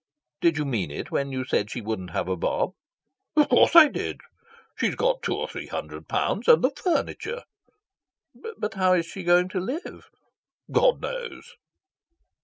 "Did you mean it when you said she wouldn't have a bob?" "Of course I did. She's got two or three hundred pounds and the furniture." "But how is she going to live?" "God knows."